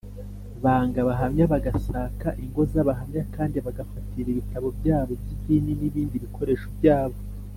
banga Abahamya bagasaka ingo z Abahamya kandi bagafatira ibitabo byabo by idini n ibindi bikoresho byabo